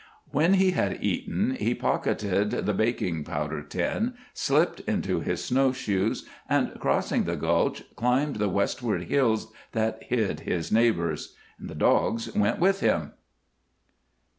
When he had eaten he pocketed the baking powder tin, slipped into his snow shoes and, crossing the gulch, climbed the westward hills that hid his neighbors. The dogs went with him.